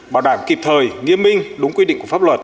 bảo đảm kịp thời nghiêm minh đúng quy định của pháp luật